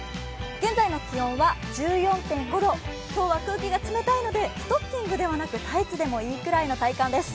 現在の気温は１４．５度、今日は空気が冷たいので、ストッキングではなくタイツでもいいぐらいの体感です。